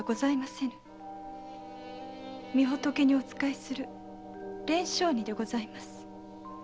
み仏にお仕えする蓮祥尼でございます。